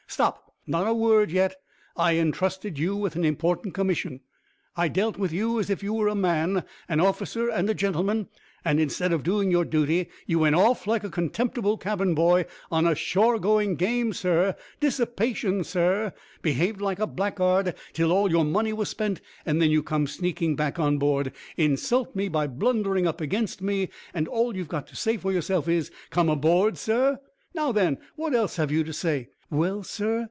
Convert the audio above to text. Stop not a word yet. I entrusted you with an important commission. I dealt with you as if you were a man, an officer and a gentleman; and, instead of doing your duty, you went off like a contemptible cabin boy on a shore going game, sir dissipation, sir behaved like a blackguard till all your money was spent; and then you come sneaking back on board, insult me by blundering up against me, and all you've got to say for yourself is, `Come aboard, sir.' Now, then, what else have you to say?" "Well, sir!